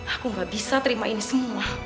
aku gak bisa terima ini semua